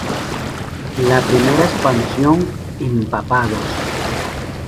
La primera expansión, ¡Empapados!